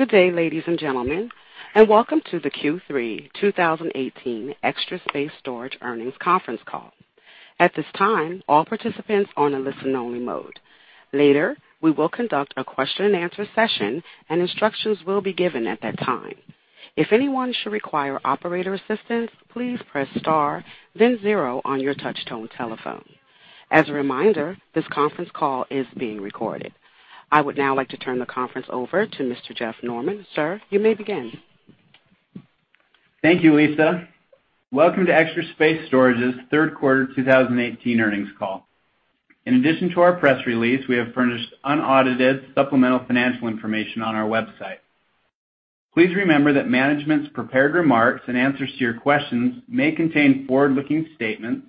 Good day, ladies and gentlemen, welcome to the Q3 2018 Extra Space Storage earnings conference call. At this time, all participants are in listen only mode. Later, we will conduct a question and answer session and instructions will be given at that time. If anyone should require operator assistance, please press star then zero on your touchtone telephone. As a reminder, this conference call is being recorded. I would now like to turn the conference over to Mr. Jeff Norman. Sir, you may begin. Thank you, Lisa. Welcome to Extra Space Storage's third quarter 2018 earnings call. In addition to our press release, we have furnished unaudited supplemental financial information on our website. Please remember that management's prepared remarks and answers to your questions may contain forward-looking statements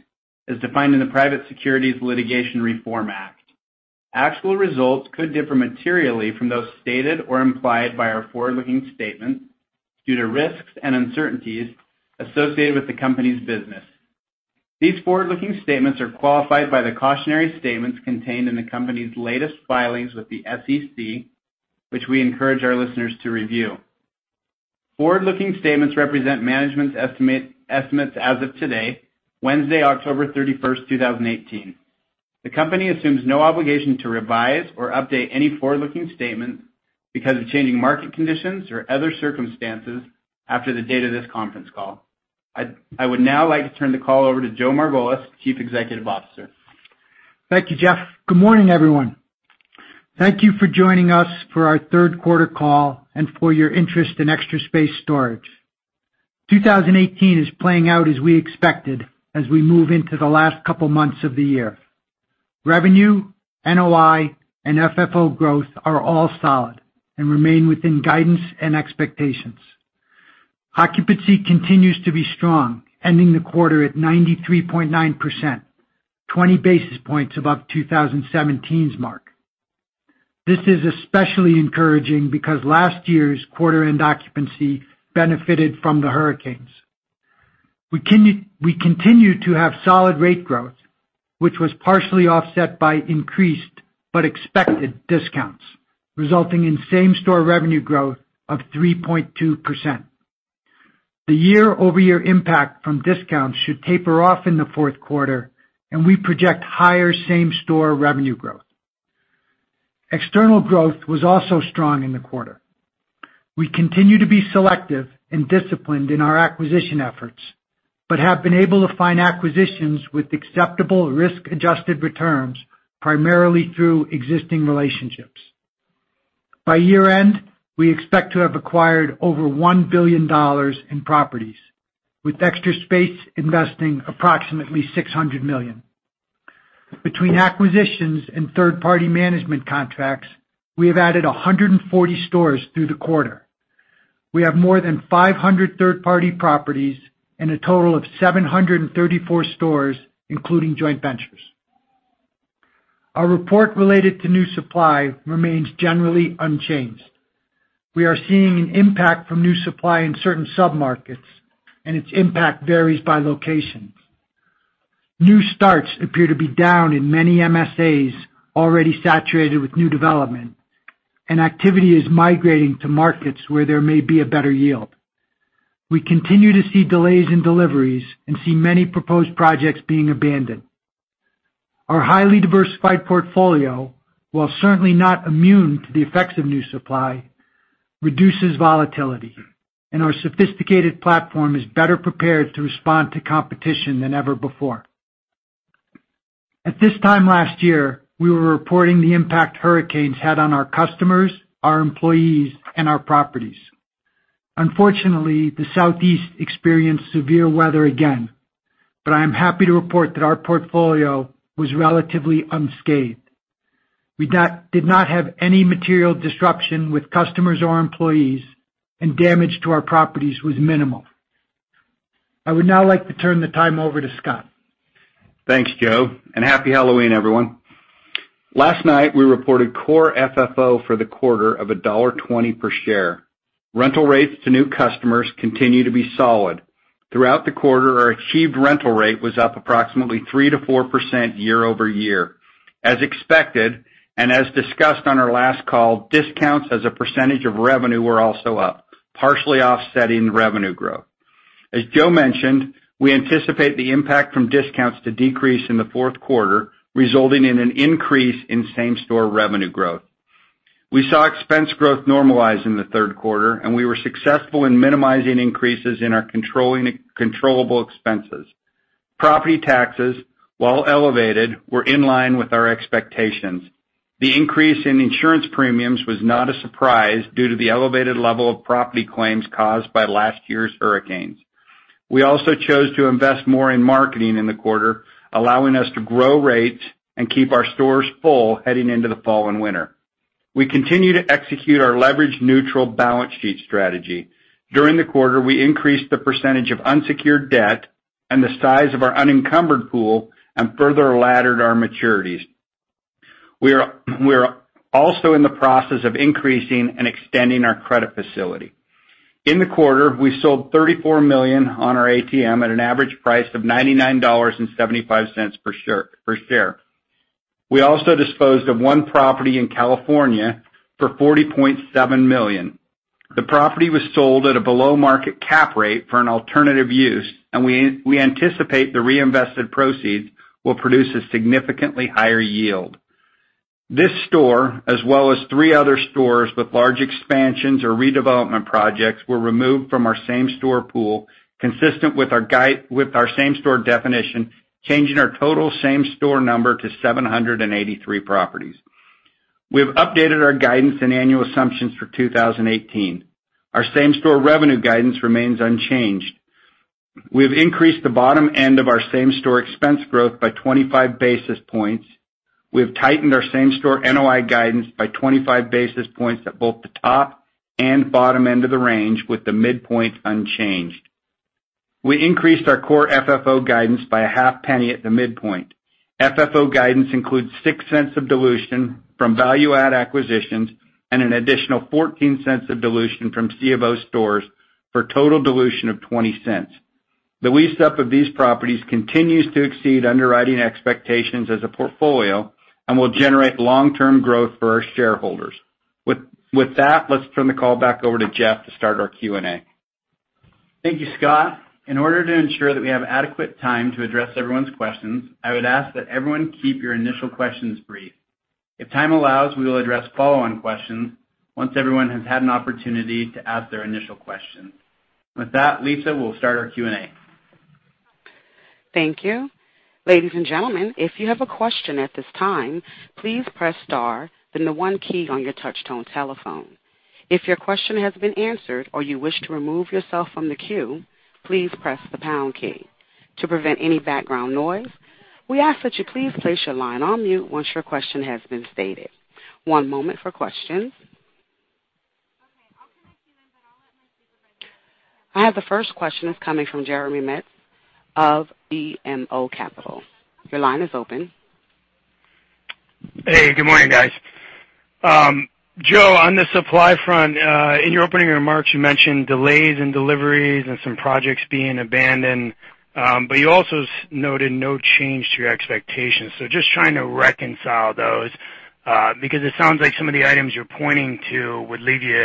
as defined in the Private Securities Litigation Reform Act. Actual results could differ materially from those stated or implied by our forward-looking statements due to risks and uncertainties associated with the company's business. These forward-looking statements are qualified by the cautionary statements contained in the company's latest filings with the SEC, which we encourage our listeners to review. Forward-looking statements represent management's estimates as of today, Wednesday, October 31st, 2018. The company assumes no obligation to revise or update any forward-looking statements because of changing market conditions or other circumstances after the date of this conference call. I would now like to turn the call over to Joe Margolis, Chief Executive Officer. Thank you, Jeff. Good morning, everyone. Thank you for joining us for our third quarter call and for your interest in Extra Space Storage. 2018 is playing out as we expected as we move into the last couple months of the year. Revenue, NOI, and FFO growth are all solid and remain within guidance and expectations. Occupancy continues to be strong, ending the quarter at 93.9%, 20 basis points above 2017's mark. This is especially encouraging because last year's quarter end occupancy benefited from the hurricanes. We continue to have solid rate growth, which was partially offset by increased but expected discounts, resulting in same-store revenue growth of 3.2%. The year-over-year impact from discounts should taper off in the fourth quarter. We project higher same-store revenue growth. External growth was also strong in the quarter. We continue to be selective and disciplined in our acquisition efforts, but have been able to find acquisitions with acceptable risk-adjusted returns, primarily through existing relationships. By year-end, we expect to have acquired over $1 billion in properties, with Extra Space investing approximately $600 million. Between acquisitions and third-party management contracts, we have added 140 stores through the quarter. We have more than 500 third-party properties and a total of 734 stores, including joint ventures. Our report related to new supply remains generally unchanged. We are seeing an impact from new supply in certain sub-markets, and its impact varies by locations. New starts appear to be down in many MSAs already saturated with new development, and activity is migrating to markets where there may be a better yield. We continue to see delays in deliveries and see many proposed projects being abandoned. Our highly diversified portfolio, while certainly not immune to the effects of new supply, reduces volatility, and our sophisticated platform is better prepared to respond to competition than ever before. At this time last year, we were reporting the impact hurricanes had on our customers, our employees, and our properties. Unfortunately, the Southeast experienced severe weather again, but I am happy to report that our portfolio was relatively unscathed. We did not have any material disruption with customers or employees and damage to our properties was minimal. I would now like to turn the time over to Scott. Thanks, Joe, and happy Halloween, everyone. Last night, we reported Core FFO for the quarter of $1.20 per share. Rental rates to new customers continue to be solid. Throughout the quarter, our achieved rental rate was up approximately 3%-4% year-over-year. As expected and as discussed on our last call, discounts as a percentage of revenue were also up, partially offsetting revenue growth. As Joe mentioned, we anticipate the impact from discounts to decrease in the fourth quarter, resulting in an increase in same-store revenue growth. We saw expense growth normalize in the third quarter, and we were successful in minimizing increases in our controllable expenses. Property taxes, while elevated, were in line with our expectations. The increase in insurance premiums was not a surprise due to the elevated level of property claims caused by last year's hurricanes. We also chose to invest more in marketing in the quarter, allowing us to grow rates and keep our stores full heading into the fall and winter. We continue to execute our leverage-neutral balance sheet strategy. During the quarter, we increased the percentage of unsecured debt and the size of our unencumbered pool and further laddered our maturities. We are also in the process of increasing and extending our credit facility. In the quarter, we sold $34 million on our ATM at an average price of $99.75 per share. We also disposed of one property in California for $40.7 million. The property was sold at a below-market cap rate for an alternative use, and we anticipate the reinvested proceeds will produce a significantly higher yield. This store, as well as three other stores with large expansions or redevelopment projects, were removed from our same-store pool, consistent with our same-store definition, changing our total same-store number to 783 properties. We've updated our guidance and annual assumptions for 2018. Our same-store revenue guidance remains unchanged. We have increased the bottom end of our same-store expense growth by 25 basis points. We have tightened our same-store NOI guidance by 25 basis points at both the top and bottom end of the range, with the midpoint unchanged. We increased our Core FFO guidance by a half penny at the midpoint. FFO guidance includes $0.06 of dilution from value-add acquisitions and an additional $0.14 of dilution from C of O stores for a total dilution of $0.20. The lease-up of these properties continues to exceed underwriting expectations as a portfolio and will generate long-term growth for our shareholders. With that, let's turn the call back over to Jeff to start our Q&A. Thank you, Scott. In order to ensure that we have adequate time to address everyone's questions, I would ask that everyone keep your initial questions brief. If time allows, we will address follow-on questions once everyone has had an opportunity to ask their initial questions. With that, Lisa, we'll start our Q&A. Thank you. Ladies and gentlemen, if you have a question at this time, please press star, then the one key on your touch-tone telephone. If your question has been answered or you wish to remove yourself from the queue, please press the pound key. To prevent any background noise, we ask that you please place your line on mute once your question has been stated. One moment for questions. I have the first question. It's coming from Jeremy Metz of BMO Capital Markets. Your line is open. Hey, good morning, guys. Joe, on the supply front, in your opening remarks, you mentioned delays in deliveries and some projects being abandoned, but you also noted no change to your expectations. Just trying to reconcile those because it sounds like some of the items you're pointing to would leave you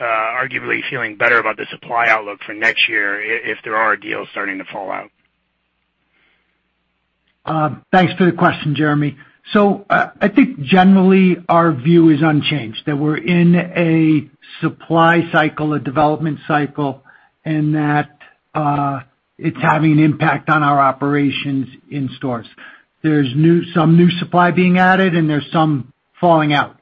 arguably feeling better about the supply outlook for next year if there are deals starting to fall out. Thanks for the question, Jeremy. I think generally our view is unchanged, that we're in a supply cycle, a development cycle, and that it's having an impact on our operations in stores. There's some new supply being added and there's some falling out.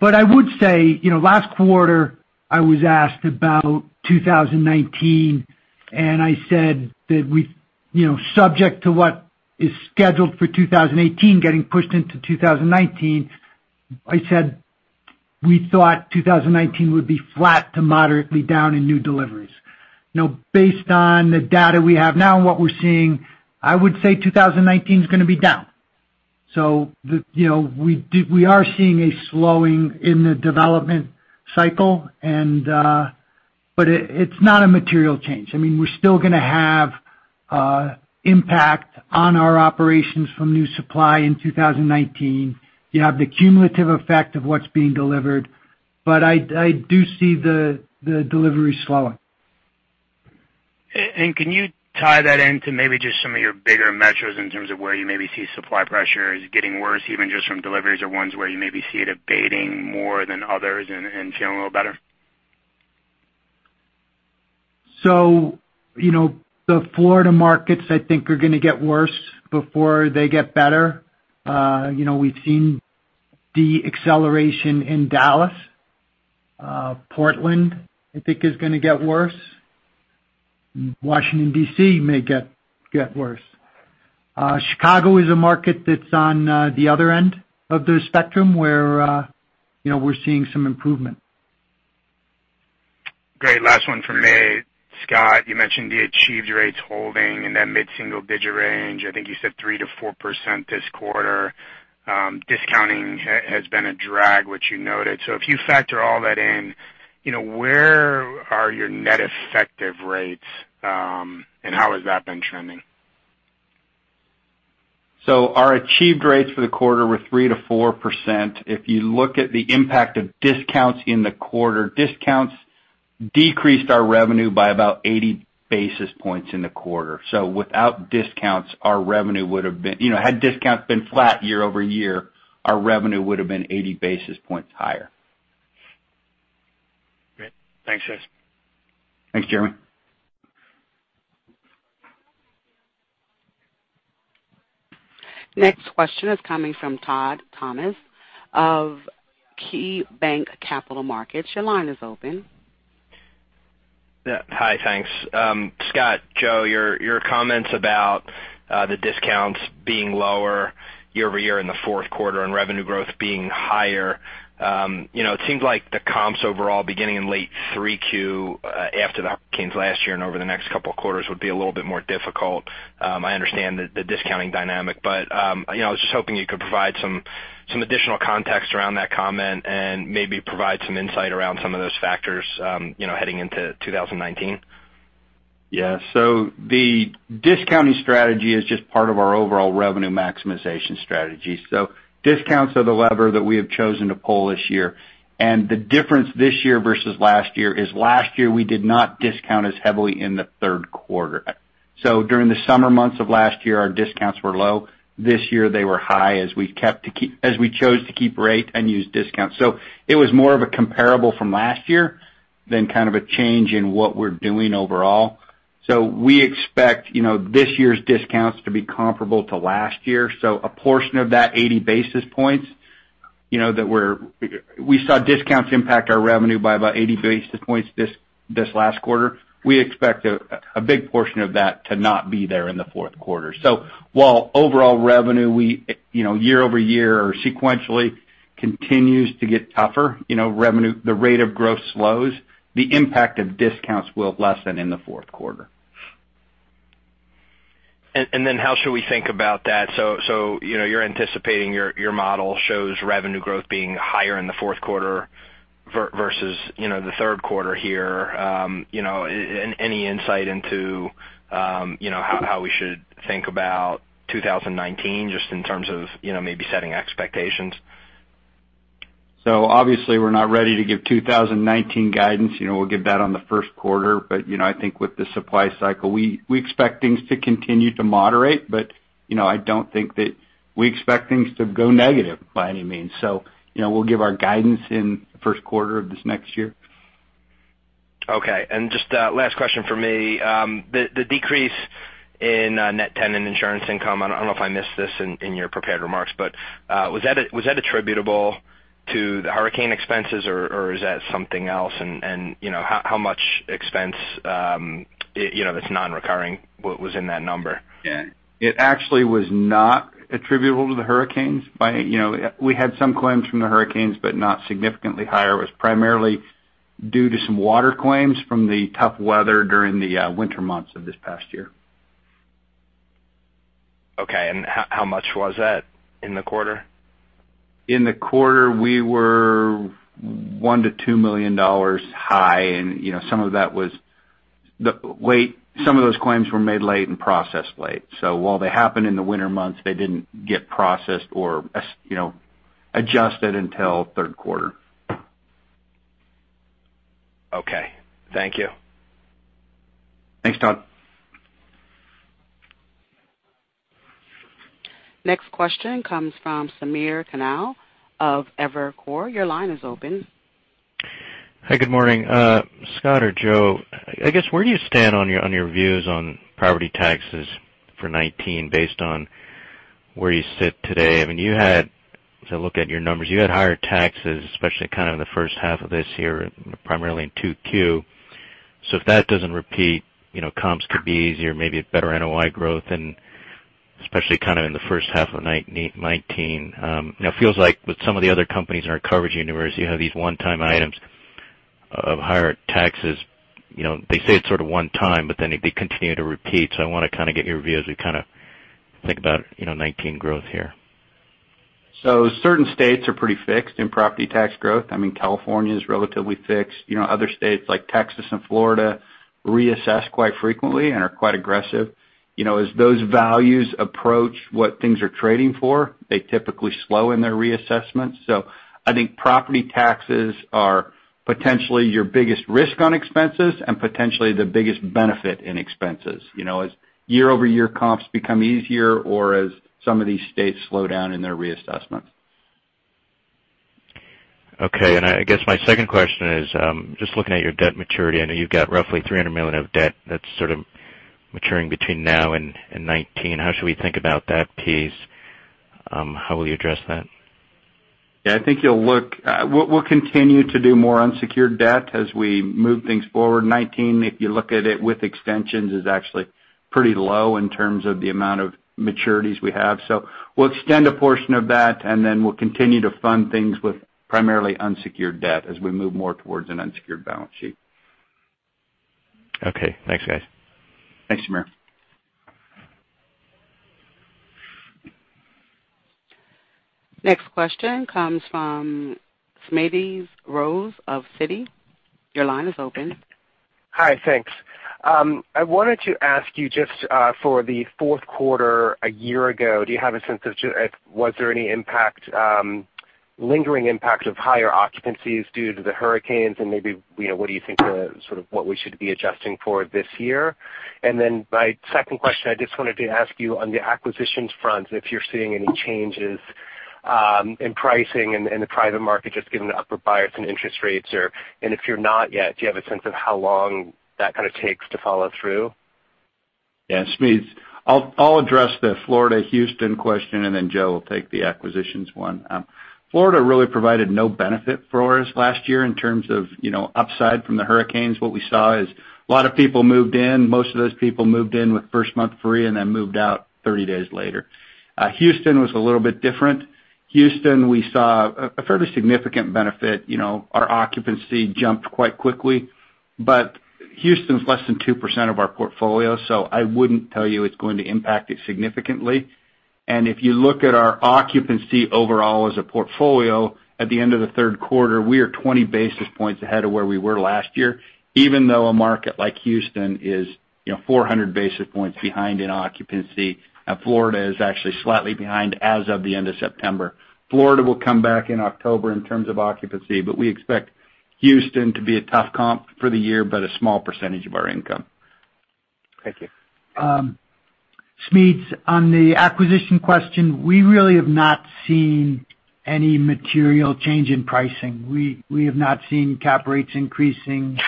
I would say, last quarter, I was asked about 2019, and I said that subject to what is scheduled for 2018 getting pushed into 2019, I said we thought 2019 would be flat to moderately down in new deliveries. Now based on the data we have now and what we're seeing, I would say 2019 is going to be down. We are seeing a slowing in the development cycle. It's not a material change. We're still going to have impact on our operations from new supply in 2019. You have the cumulative effect of what's being delivered, I do see the delivery slowing. Can you tie that into maybe just some of your bigger metros in terms of where you maybe see supply pressures getting worse, even just from deliveries or ones where you maybe see it abating more than others and feeling a little better? The Florida markets, I think, are going to get worse before they get better. We've seen de-acceleration in Dallas. Portland, I think, is going to get worse. Washington, D.C., may get worse. Chicago is a market that's on the other end of the spectrum, where we're seeing some improvement. Great. Last one from me. Scott, you mentioned the achieved rates holding in that mid-single-digit range. I think you said 3%-4% this quarter. Discounting has been a drag, which you noted. If you factor all that in, where are your net effective rates? How has that been trending? Our achieved rates for the quarter were 3%-4%. If you look at the impact of discounts in the quarter, discounts decreased our revenue by about 80 basis points in the quarter. Without discounts, had discounts been flat year-over-year, our revenue would have been 80 basis points higher. Great. Thanks, guys. Thanks, Jeremy. Next question is coming from Todd Thomas of KeyBanc Capital Markets. Your line is open. Yeah. Hi, thanks. Scott, Joe, your comments about the discounts being lower year-over-year in the fourth quarter and revenue growth being higher. It seems like the comps overall beginning in late Q3 after the hurricanes last year and over the next couple of quarters would be a little bit more difficult. I understand the discounting dynamic, but I was just hoping you could provide some additional context around that comment and maybe provide some insight around some of those factors heading into 2019. Yes. The discounting strategy is just part of our overall revenue maximization strategy. Discounts are the lever that we have chosen to pull this year. The difference this year versus last year is last year we did not discount as heavily in the third quarter. During the summer months of last year, our discounts were low. This year, they were high as we chose to keep rate and use discounts. It was more of a comparable from last year than kind of a change in what we're doing overall. We expect this year's discounts to be comparable to last year, a portion of that 80 basis points that we saw discounts impact our revenue by about 80 basis points this last quarter. We expect a big portion of that to not be there in the fourth quarter. While overall revenue year-over-year or sequentially continues to get tougher, the rate of growth slows, the impact of discounts will lessen in the fourth quarter. How should we think about that? You're anticipating your model shows revenue growth being higher in the fourth quarter versus the third quarter here. Any insight into how we should think about 2019, just in terms of maybe setting expectations? Obviously, we're not ready to give 2019 guidance. We'll give that on the first quarter. I think with the supply cycle, we expect things to continue to moderate. I don't think that we expect things to go negative by any means. We'll give our guidance in the first quarter of this next year. Okay. Just last question from me. The decrease in net tenant insurance income, I don't know if I missed this in your prepared remarks, was that attributable to the hurricane expenses or is that something else? How much expense that's non-recurring was in that number? Yeah. It actually was not attributable to the hurricanes. We had some claims from the hurricanes, but not significantly higher. It was primarily due to some water claims from the tough weather during the winter months of this past year. Okay. How much was that in the quarter? In the quarter, we were $1 million-$2 million high. Some of those claims were made late and processed late. While they happened in the winter months, they didn't get processed or adjusted until the third quarter. Okay. Thank you. Thanks, Todd. Next question comes from Samir Khanal of Evercore. Your line is open. Hi, good morning. Scott or Joe, I guess where do you stand on your views on property taxes for 2019 based on where you sit today? If I look at your numbers, you had higher taxes, especially kind of in the first half of this year, primarily in Q2. If that doesn't repeat, comps could be easier, maybe a better NOI growth, and especially kind of in the first half of 2019. It feels like with some of the other companies in our coverage universe, you have these one-time items of higher taxes. They say it's sort of one-time, but then they continue to repeat. I want to kind of get your view as we kind of think about 2019 growth here. Certain states are pretty fixed in property tax growth. California is relatively fixed. Other states like Texas and Florida reassess quite frequently and are quite aggressive. As those values approach what things are trading for, they typically slow in their reassessment. I think property taxes are potentially your biggest risk on expenses and potentially the biggest benefit in expenses. As year-over-year comps become easier or as some of these states slow down in their reassessment. Okay. I guess my second question is just looking at your debt maturity. I know you've got roughly $300 million of debt that's sort of maturing between now and 2019. How should we think about that piece? How will you address that? Yeah, I think we'll continue to do more unsecured debt as we move things forward. 2019, if you look at it with extensions, is actually pretty low in terms of the amount of maturities we have. We'll extend a portion of that, we'll continue to fund things with primarily unsecured debt as we move more towards an unsecured balance sheet. Okay, thanks, guys. Thanks, Samir. Next question comes from Smedes Rose of Citi. Your line is open. Hi, thanks. I wanted to ask you just for the fourth quarter a year ago, do you have a sense of was there any lingering impact of higher occupancies due to the hurricanes? Maybe what do you think sort of what we should be adjusting for this year? My second question, I just wanted to ask you on the acquisitions front, if you're seeing any changes in pricing in the private market, just given the upward bias in interest rates. If you're not yet, do you have a sense of how long that kind of takes to follow through? Yeah, Smedes. I'll address the Florida-Houston question. Joe will take the acquisitions one. Florida really provided no benefit for us last year in terms of upside from the hurricanes. What we saw is a lot of people moved in. Most of those people moved in with first month free and then moved out 30 days later. Houston was a little bit different. Houston, we saw a fairly significant benefit. Our occupancy jumped quite quickly, Houston's less than 2% of our portfolio, so I wouldn't tell you it's going to impact it significantly. If you look at our occupancy overall as a portfolio at the end of the third quarter, we are 20 basis points ahead of where we were last year, even though a market like Houston is 400 basis points behind in occupancy, and Florida is actually slightly behind as of the end of September. Florida will come back in October in terms of occupancy, but we expect Houston to be a tough comp for the year, but a small percentage of our income. Thank you. Smedes, on the acquisition question, we really have not seen any material change in pricing. We have not seen cap rates increasing,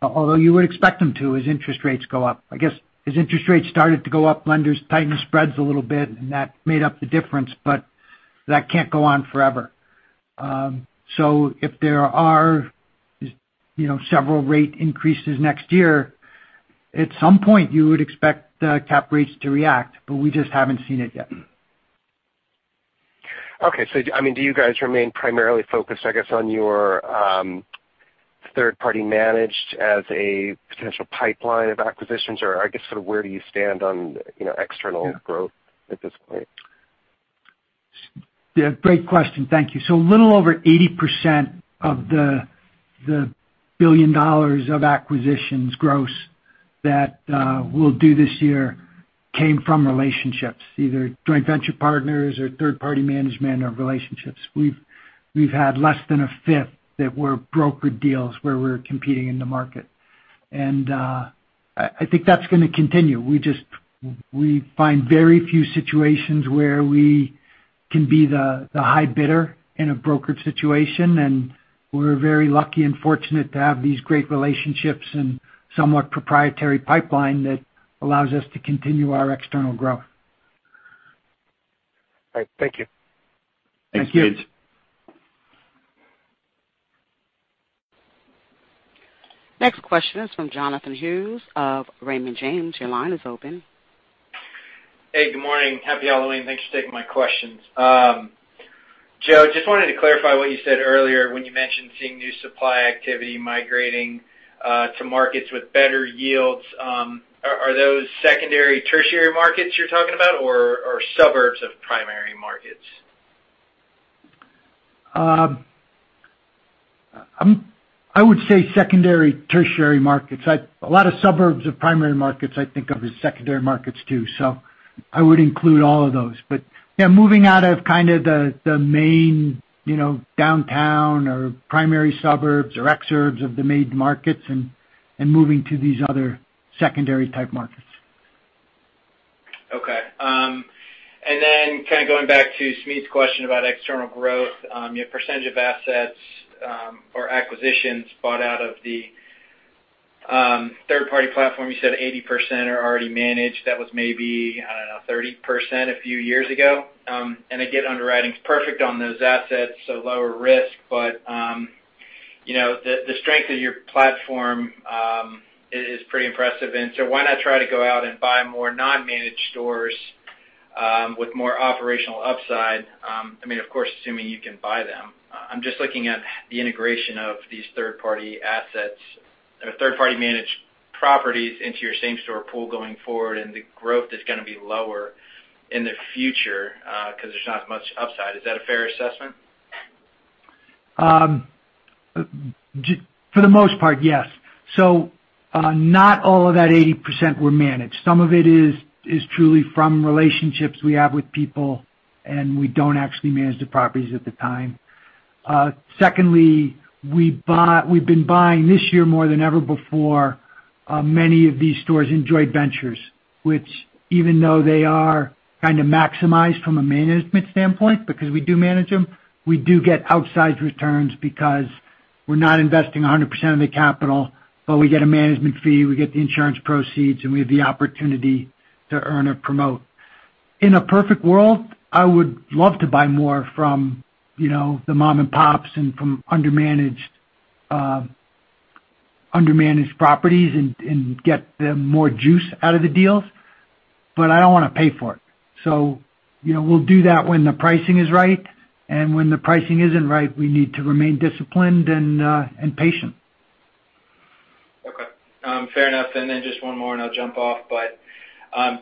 although you would expect them to as interest rates go up. I guess, as interest rates started to go up, lenders tightened spreads a little bit, and that made up the difference, but that can't go on forever. If there are several rate increases next year, at some point, you would expect the cap rates to react, but we just haven't seen it yet. Okay. Do you guys remain primarily focused, I guess, on your third-party managed as a potential pipeline of acquisitions? I guess, where do you stand on external growth at this point? Yeah, great question. Thank you. A little over 80% of the $1 billion of acquisitions gross that we'll do this year came from relationships, either joint venture partners or third-party management or relationships. We've had less than a fifth that were brokered deals where we're competing in the market. I think that's going to continue. We find very few situations where we can be the high bidder in a brokered situation, and we're very lucky and fortunate to have these great relationships and somewhat proprietary pipeline that allows us to continue our external growth. All right. Thank you. Thank you. Thanks, Smeed. Next question is from Jonathan Hughes of Raymond James. Your line is open. Hey, good morning. Happy Halloween. Thanks for taking my questions. Joe, just wanted to clarify what you said earlier when you mentioned seeing new supply activity migrating to markets with better yields. Are those secondary, tertiary markets you're talking about, or suburbs of primary markets? I would say secondary, tertiary markets. A lot of suburbs of primary markets, I think of as secondary markets too. I would include all of those, but yeah, moving out of kind of the main downtown or primary suburbs or exurbs of the main markets and moving to these other secondary type markets. Okay. Kind of going back to Smedes' question about external growth, your percentage of assets or acquisitions bought out of the third-party platform, you said 80% are already managed. That was maybe, I don't know, 30% a few years ago. Again, underwriting's perfect on those assets, so lower risk, but the strength of your platform is pretty impressive. Why not try to go out and buy more non-managed stores with more operational upside? Of course, assuming you can buy them. I'm just looking at the integration of these third-party assets or third-party managed properties into your same-store pool going forward, and the growth is going to be lower in the future because there's not as much upside. Is that a fair assessment? For the most part, yes. Not all of that 80% were managed. Some of it is truly from relationships we have with people, and we don't actually manage the properties at the time. Secondly, we've been buying this year more than ever before many of these stores in joint ventures, which even though they are kind of maximized from a management standpoint because we do manage them, we do get outsized returns because we're not investing 100% of the capital, but we get a management fee, we get the insurance proceeds, and we have the opportunity to earn or promote. In a perfect world, I would love to buy more from the mom and pops and from undermanaged properties and get more juice out of the deals. I don't want to pay for it. We'll do that when the pricing is right. When the pricing isn't right, we need to remain disciplined and patient. Okay. Fair enough. Then just one more, I'll jump off,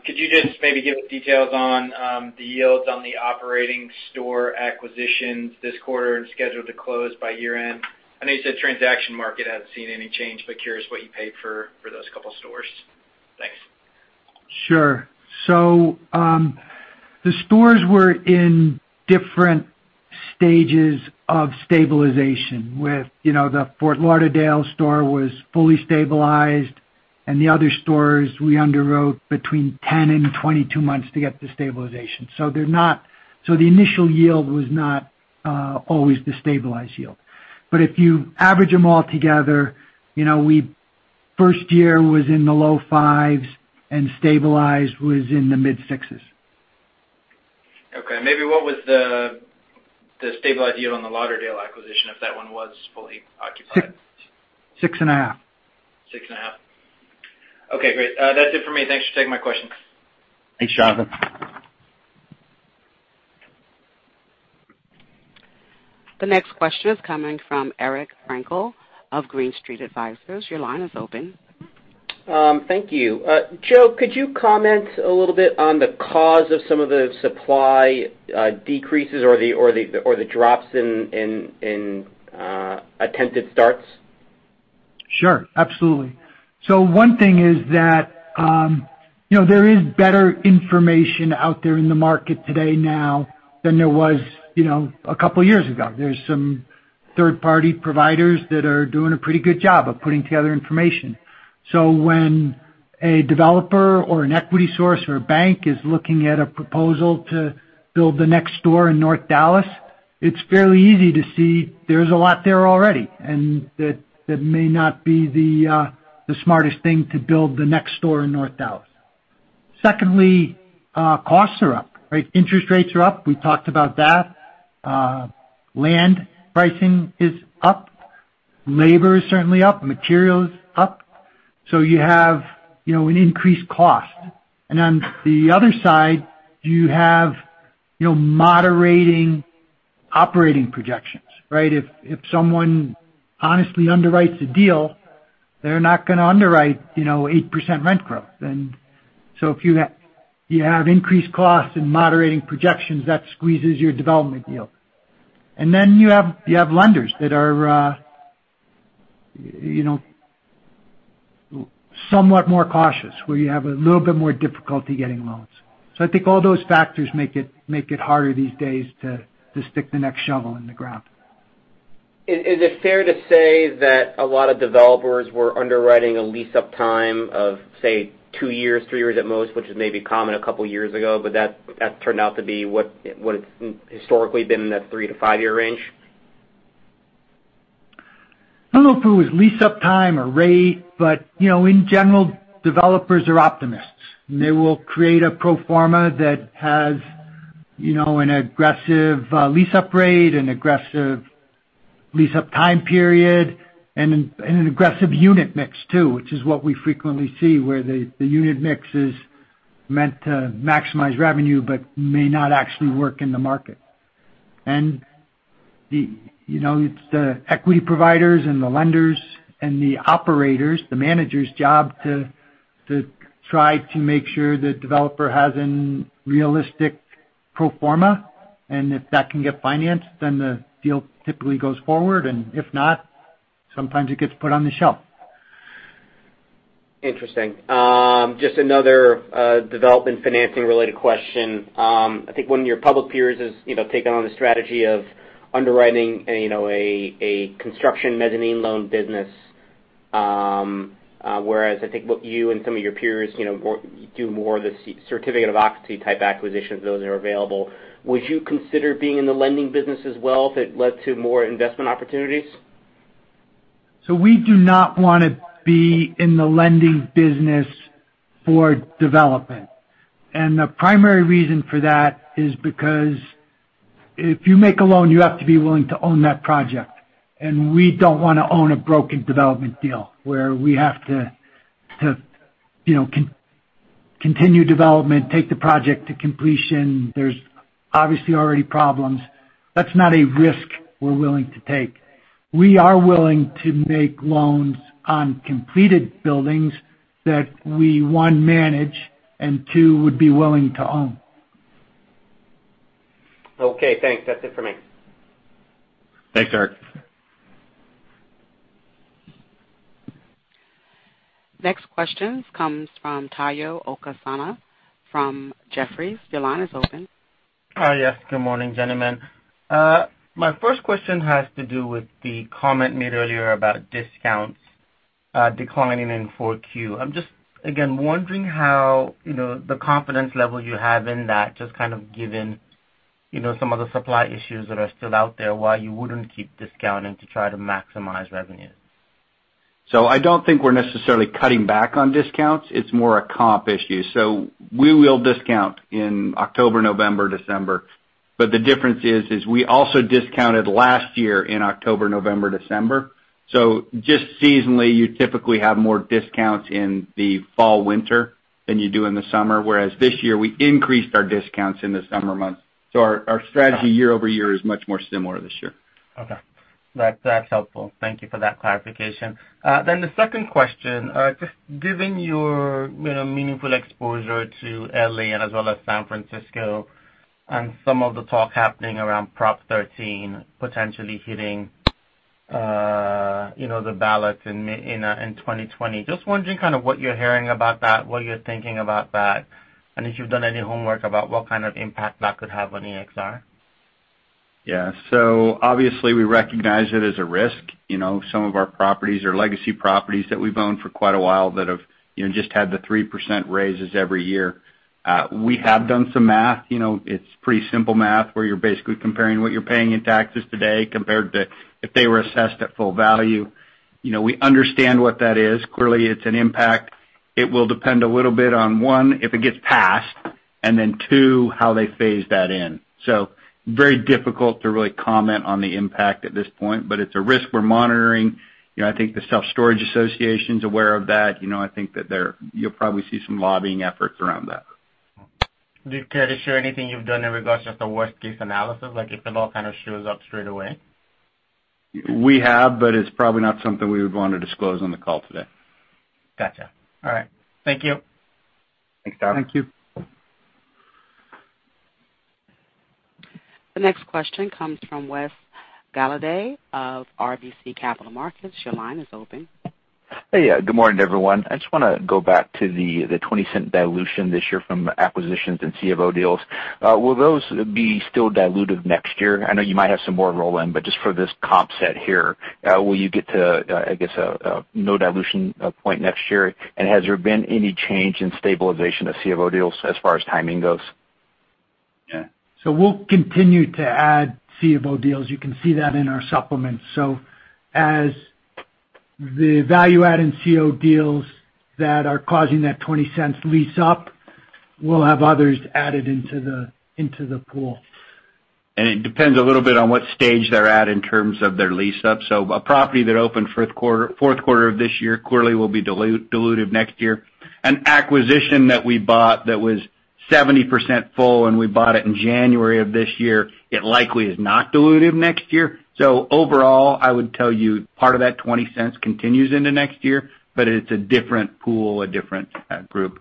could you just maybe give us details on the yields on the operating store acquisitions this quarter and scheduled to close by year-end? I know you said transaction market hasn't seen any change, curious what you paid for those couple stores. Thanks. Sure. The stores were in different stages of stabilization, with the Fort Lauderdale store was fully stabilized, the other stores we underwrote between 10 and 22 months to get to stabilization. The initial yield was not always the stabilized yield. If you average them all together, first year was in the low fives and stabilized was in the mid sixes. Okay. Maybe what was the stabilized yield on the Lauderdale acquisition, if that one was fully occupied? 6.5. 6.5. Okay, great. That's it for me. Thanks for taking my questions. Thanks, Jonathan. The next question is coming from Eric Frankel of Green Street Advisors. Your line is open. Thank you. Joe, could you comment a little bit on the cause of some of the supply decreases or the drops in attempted starts? Sure. Absolutely. One thing is that there is better information out there in the market today now than there was a couple of years ago. There's some third-party providers that are doing a pretty good job of putting together information. When a developer or an equity source or a bank is looking at a proposal to build the next store in North Dallas, it's fairly easy to see there's a lot there already, and that may not be the smartest thing to build the next store in North Dallas. Secondly, costs are up, right? Interest rates are up. We talked about that. Land pricing is up. Labor is certainly up. Materials, up. You have an increased cost. On the other side, you have moderating operating projections, right? If someone honestly underwrites a deal, they're not going to underwrite 8% rent growth. If you have increased costs and moderating projections, that squeezes your development yield. You have lenders that are somewhat more cautious, where you have a little bit more difficulty getting loans. I think all those factors make it harder these days to stick the next shovel in the ground. Is it fair to say that a lot of developers were underwriting a lease-up time of, say, two years, three years at most, which was maybe common a couple years ago, but that's turned out to be what it's historically been in that three to five-year range? I don't know if it was lease-up time or rate, but in general, developers are optimists, they will create a pro forma that has an aggressive lease-up rate, an aggressive lease-up time period, and an aggressive unit mix too, which is what we frequently see where the unit mix is meant to maximize revenue but may not actually work in the market. It's the equity providers and the lenders and the operators, the manager's job to try to make sure the developer has a realistic pro forma, and if that can get financed, then the deal typically goes forward, and if not, sometimes it gets put on the shelf. Interesting. Just another development financing-related question. I think one of your public peers has taken on the strategy of underwriting a construction mezzanine loan business, whereas I think what you and some of your peers do more of the Certificate of Occupancy-type acquisitions, those are available. Would you consider being in the lending business as well if it led to more investment opportunities? We do not want to be in the lending business for development. The primary reason for that is because if you make a loan, you have to be willing to own that project, and we don't want to own a broken development deal where we have to continue development, take the project to completion. There's obviously already problems. That's not a risk we're willing to take. We are willing to make loans on completed buildings that we, one, manage, and two, would be willing to own. Okay, thanks. That's it for me. Thanks, Eric. Next question comes from Omotayo Okusanya from Jefferies. Your line is open. Hi. Yes. Good morning, gentlemen. My first question has to do with the comment made earlier about discounts declining in 4Q. I'm just, again, wondering how the confidence level you have in that, just kind of given some of the supply issues that are still out there, why you wouldn't keep discounting to try to maximize revenue. I don't think we're necessarily cutting back on discounts. It's more a comp issue. We will discount in October, November, December. The difference is we also discounted last year in October, November, December. Just seasonally, you typically have more discounts in the fall, winter than you do in the summer, whereas this year, we increased our discounts in the summer months. Our strategy year-over-year is much more similar this year. Okay. That's helpful. Thank you for that clarification. The second question. Just given your meaningful exposure to L.A. and as well as San Francisco and some of the talk happening around Prop 13 potentially hitting the ballot in 2020. Just wondering kind of what you're hearing about that, what you're thinking about that, and if you've done any homework about what kind of impact that could have on EXR. Obviously, we recognize it as a risk. Some of our properties are legacy properties that we've owned for quite a while that have just had the 3% raises every year. We have done some math. It's pretty simple math where you're basically comparing what you're paying in taxes today compared to if they were assessed at full value. We understand what that is. Clearly, it's an impact. It will depend a little bit on, one, if it gets passed, and then two, how they phase that in. Very difficult to really comment on the impact at this point, but it's a risk we're monitoring. I think the Self Storage Association's aware of that. I think that you'll probably see some lobbying efforts around that. Do you care to share anything you've done in regards to just a worst-case analysis, like if the law kind of shows up straight away? We have, but it's probably not something we would want to disclose on the call today. Got you. All right. Thank you. Thanks, Tom. Thank you. The next question comes from Wes Golladay of RBC Capital Markets. Your line is open. Hey, good morning, everyone. I just want to go back to the $0.20 dilution this year from acquisitions and C of O deals. Will those be still dilutive next year? I know you might have some more roll-in, but just for this comp set here, will you get to, I guess, a no dilution point next year? And has there been any change in stabilization of C of O deals as far as timing goes? Yeah. We'll continue to add C of O deals. You can see that in our supplements. As the value add in C of O deals that are causing that $0.20 lease-up, we'll have others added into the pool. It depends a little bit on what stage they're at in terms of their lease-up. A property that opened fourth quarter of this year clearly will be dilutive next year. An acquisition that we bought that was 70% full and we bought it in January of this year, it likely is not dilutive next year. Overall, I would tell you part of that $0.20 continues into next year, but it's a different pool, a different group.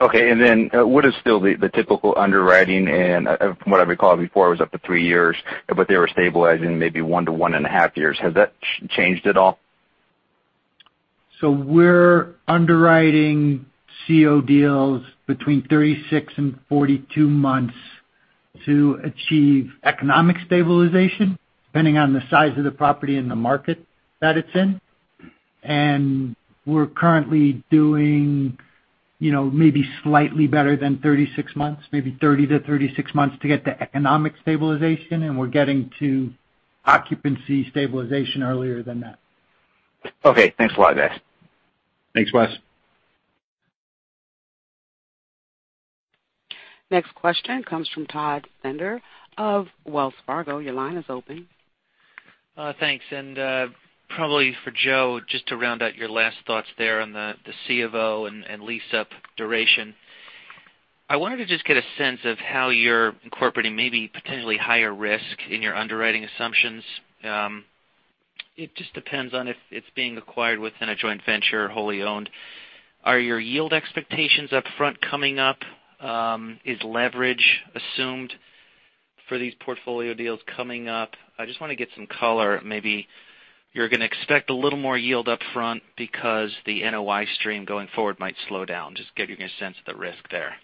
Okay. What is still the typical underwriting? From what I recall before, it was up to three years, but they were stabilizing maybe one to one and a half years. Has that changed at all? We're underwriting C of O deals between 36 and 42 months to achieve economic stabilization, depending on the size of the property and the market that it's in. We're currently doing maybe slightly better than 36 months, maybe 30 to 36 months to get to economic stabilization. We're getting to occupancy stabilization earlier than that. Okay. Thanks a lot, guys. Thanks, Wes. Next question comes from Todd Bender of Wells Fargo. Your line is open. Thanks. Probably for Joe, just to round out your last thoughts there on the CFO and lease-up duration. I wanted to just get a sense of how you're incorporating maybe potentially higher risk in your underwriting assumptions. It just depends on if it's being acquired within a joint venture or wholly owned. Are your yield expectations up front coming up? Is leverage assumed for these portfolio deals coming up? I just want to get some color. Maybe you're going to expect a little more yield up front because the NOI stream going forward might slow down. Just getting a sense of the risk there.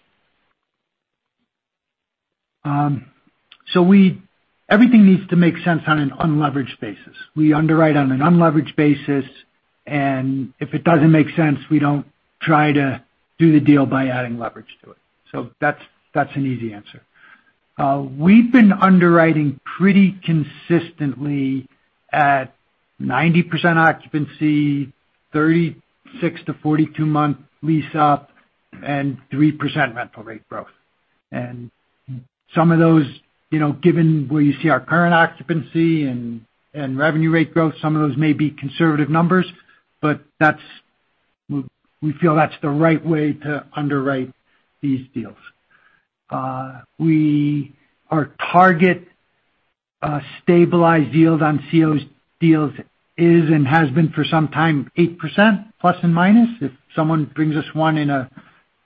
Everything needs to make sense on an unleveraged basis. We underwrite on an unleveraged basis, if it doesn't make sense, we don't try to do the deal by adding leverage to it. That's an easy answer. We've been underwriting pretty consistently at 90% occupancy, 36 to 42-month lease-up and 3% rental rate growth. Some of those, given where you see our current occupancy and revenue rate growth, some of those may be conservative numbers, but we feel that's the right way to underwrite these deals. Our target stabilized yield on C of O deals is and has been for some time 8%, plus and minus. If someone brings us one in a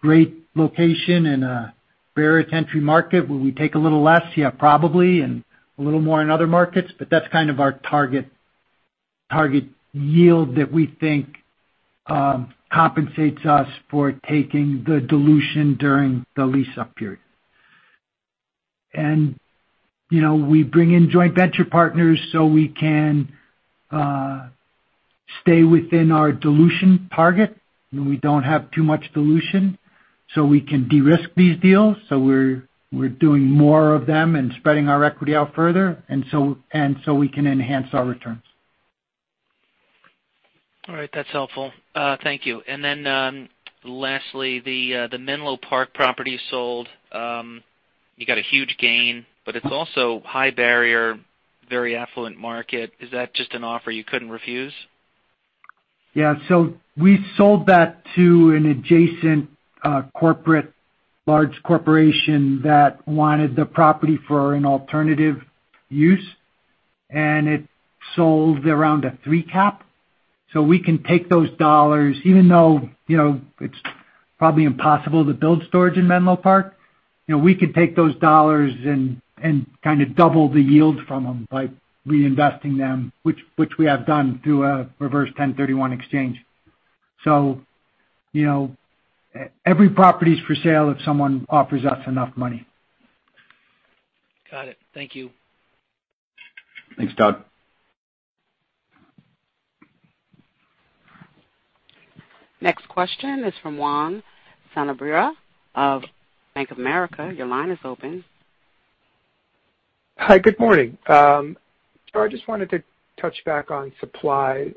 great location in a barrier-to-entry market, will we take a little less? Yeah, probably, and a little more in other markets. That's kind of our target yield that we think compensates us for taking the dilution during the lease-up period. We bring in joint venture partners so we can stay within our dilution target, and we don't have too much dilution, so we can de-risk these deals. We're doing more of them and spreading our equity out further, we can enhance our returns. All right. That's helpful. Thank you. Lastly, the Menlo Park property sold. You got a huge gain, it's also high barrier, very affluent market. Is that just an offer you couldn't refuse? Yeah. We sold that to an adjacent large corporation that wanted the property for an alternative use, it sold around a 3 cap. We can take those dollars, even though it's probably impossible to build storage in Menlo Park. We can take those dollars and kind of double the yield from them by reinvesting them, which we have done through a reverse 1031 exchange. Every property's for sale if someone offers us enough money. Got it. Thank you. Thanks, Todd. Next question is from Juan Sanabria of Bank of America. Your line is open. Hi, good morning. I just wanted to touch back on supply.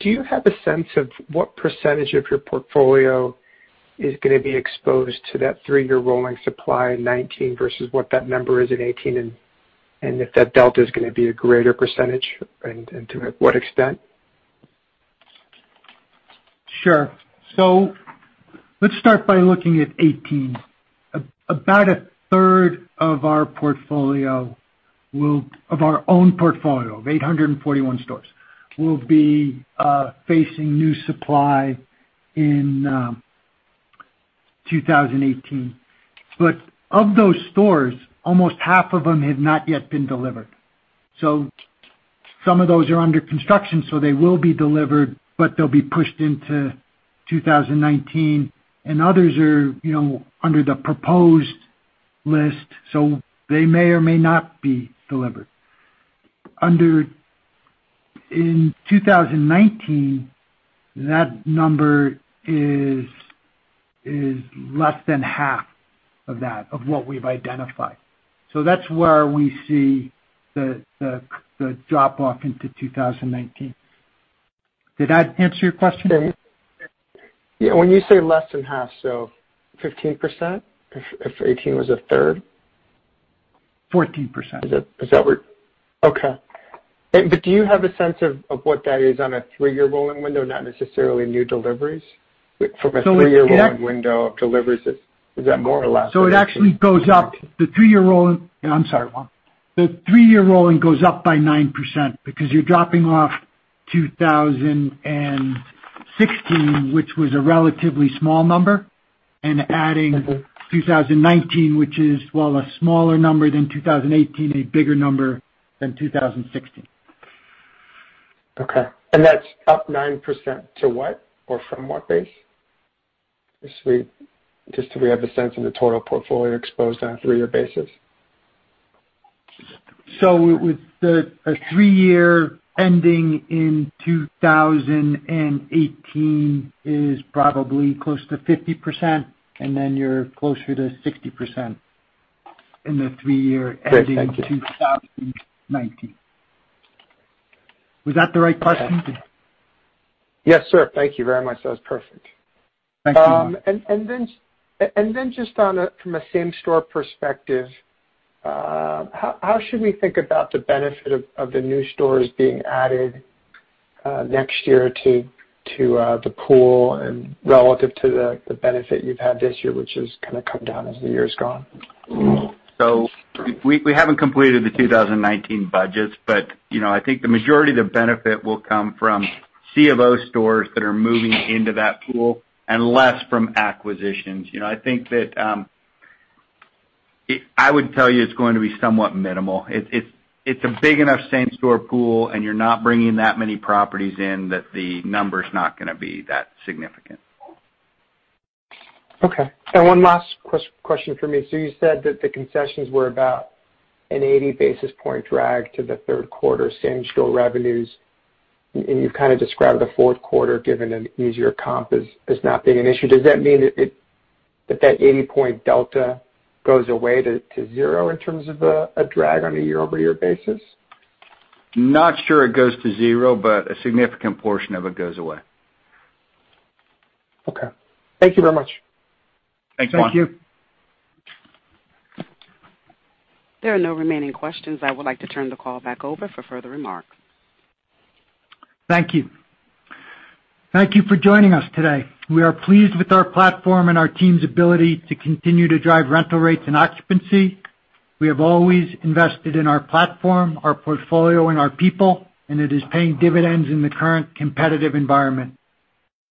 Do you have a sense of what % of your portfolio is going to be exposed to that three-year rolling supply in 2019 versus what that number is in 2018? If that delta is going to be a greater %, and to what extent? Sure. Let's start by looking at 2018. About a third of our own portfolio of 841 stores will be facing new supply in 2018. Of those stores, almost half of them have not yet been delivered. Some of those are under construction, so they will be delivered, but they'll be pushed into 2019, and others are under the proposed list, so they may or may not be delivered. In 2019, that number is less than half of that, of what we've identified. That's where we see the drop-off into 2019. Did that answer your question? Yeah. When you say less than half, 15%, if 2018 was a third? 14%. Is that right? Okay. Do you have a sense of what that is on a three-year rolling window, not necessarily new deliveries? From a three-year rolling window of deliveries, is that more or less? It actually goes up. The three-year rolling I'm sorry, Juan. The three-year rolling goes up by 9% because you're dropping off 2016, which was a relatively small number, and adding 2019, which is, while a smaller number than 2018, a bigger number than 2016. Okay. That's up 9% to what? Or from what base? Just so we have the sense of the total portfolio exposed on a three-year basis. With a three-year ending in 2018 is probably close to 50%, you're closer to 60% in the three-year ending in 2019. Was that the right question? Yes, sir. Thank you very much. That was perfect. Thank you. Just from a same-store perspective, how should we think about the benefit of the new stores being added next year to the pool and relative to the benefit you've had this year, which has kind of come down as the year has gone? We haven't completed the 2019 budgets, but I think the majority of the benefit will come from C of O stores that are moving into that pool and less from acquisitions. I would tell you it's going to be somewhat minimal. It's a big enough same-store pool, and you're not bringing that many properties in that the number's not going to be that significant. Okay. One last question for me. You said that the concessions were about an 80 basis point drag to the third quarter same-store revenues, and you've kind of described the fourth quarter, given an easier comp as not being an issue. Does that mean that that 80-point delta goes away to zero in terms of a drag on a year-over-year basis? Not sure it goes to zero, but a significant portion of it goes away. Okay. Thank you very much. Thanks, Juan. Thank you. There are no remaining questions. I would like to turn the call back over for further remarks. Thank you. Thank you for joining us today. We are pleased with our platform and our team's ability to continue to drive rental rates and occupancy. We have always invested in our platform, our portfolio, and our people, and it is paying dividends in the current competitive environment.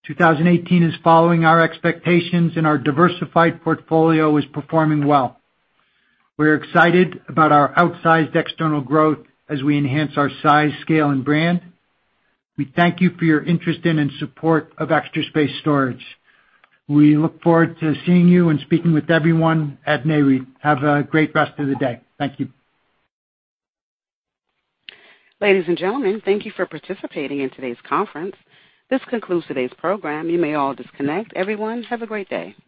2018 is following our expectations, and our diversified portfolio is performing well. We're excited about our outsized external growth as we enhance our size, scale, and brand. We thank you for your interest in and support of Extra Space Storage. We look forward to seeing you and speaking with everyone at Nareit. Have a great rest of the day. Thank you. Ladies and gentlemen, thank you for participating in today's conference. This concludes today's program. You may all disconnect. Everyone, have a great day.